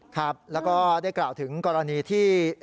ครับแล้วก็ได้กล่าวถึงกรณีที่